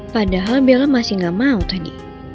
padahal bella masih gak mau tadi